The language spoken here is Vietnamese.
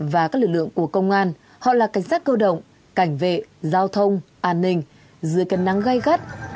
và các lực lượng của công an họ là cảnh sát cơ động cảnh vệ giao thông an ninh dưới cân nắng gây gắt